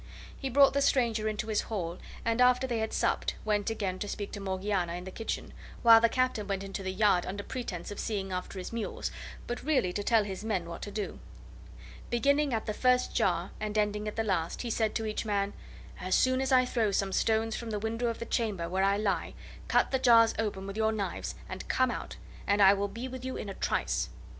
He brought the stranger into his hall, and after they had supped went again to speak to Morgiana in the kitchen, while the Captain went into the yard under pretense of seeing after his mules, but really to tell his men what to do. Beginning at the first jar and ending at the last, he said to each man: "As soon as I throw some stones from the window of the chamber where I lie, cut the jars open with your knives and come out, and I will be with you in a trice."